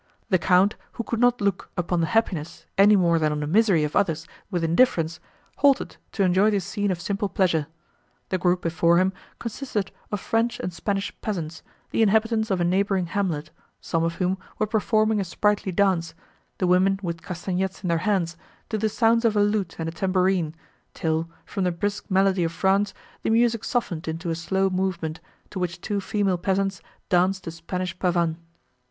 The Count, who could not look upon the happiness, any more than on the misery of others, with indifference, halted to enjoy this scene of simple pleasure. The group before him consisted of French and Spanish peasants, the inhabitants of a neighbouring hamlet, some of whom were performing a sprightly dance, the women with castanets in their hands, to the sounds of a lute and a tamborine, till, from the brisk melody of France, the music softened into a slow movement, to which two female peasants danced a Spanish Pavan.